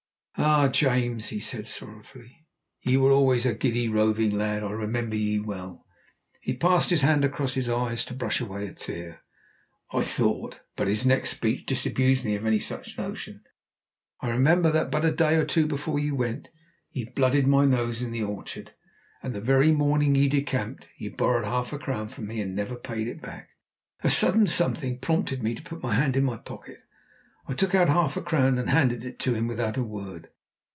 "Ah! James!" he said sorrowfully, "ye were always a giddy, roving lad. I remember ye well." (He passed his hand across his eyes, to brush away a tear, I thought, but his next speech disabused me of any such notion.) "I remember that but a day or two before ye went ye blooded my nose in the orchard, and the very morning ye decamped ye borrowed half a crown of me, and never paid it back." A sudden something prompted me to put my hand in my pocket. I took out half a crown, and handed it to him without a word.